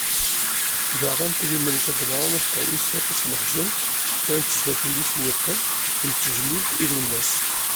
Daɣen, tuli Malika Dumran ad d-tawi s waṭas n leḥzen kra n tezlatin d yicewwiqen n tejmilt i Lwennas.